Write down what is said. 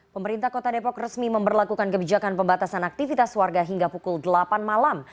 pemerintah kota depok resmi memperlakukan kebijakan pembatasan aktivitas warga hingga pukul delapan malam